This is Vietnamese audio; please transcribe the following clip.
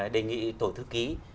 đề nghị tổ thư ký